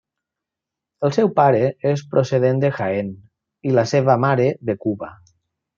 El seu pare és procedent de Jaén i la seva mare, de Cuba.